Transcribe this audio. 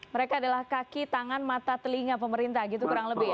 mereka adalah kaki tangan mata telinga pemerintah gitu kurang lebih ya